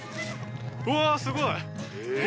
うわすごい。